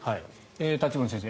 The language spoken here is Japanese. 立花先生